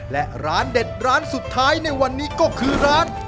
และร้านเด็ดร้านสุดท้ายในวันนี้ก็คือร้าน